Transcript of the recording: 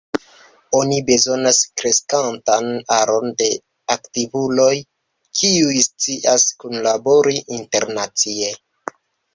Oni bezonas kreskantan aron da aktivuloj, kiuj scias kunlabori internacie.